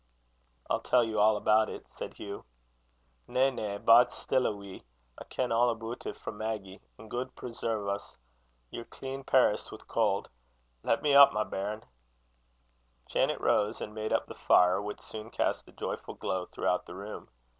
"I'll tell you all about it," said Hugh. "Na, na; bide still a wee. I ken a' aboot it frae Maggy. An' guid preserve's! ye're clean perished wi' cauld. Lat me up, my bairn." Janet rose, and made up the fire, which soon cast a joyful glow throughout the room.